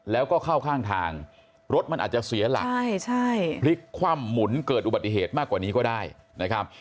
แล้วก็เข้าข้างทางรถมันอาจจะเสียหลักพลิกคว่ำหมุนเกิดอุบัติเหตุมากกว่านี้ก็ได้นะครับ